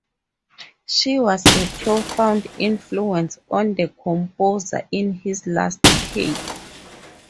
She was a profound influence on the composer in his last decade.